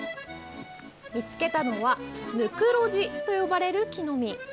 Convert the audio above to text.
見つけたのはムクロジと呼ばれる木の実。